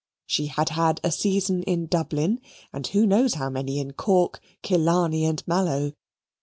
She had had a season in Dublin, and who knows how many in Cork, Killarney, and Mallow?